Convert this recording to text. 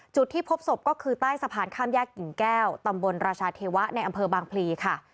จุดที่พบศพก็คือใต้สะพานข้ามแยกกิ่งแก้วตำบลราชาเทวะในอำเภอบางพลีค่ะ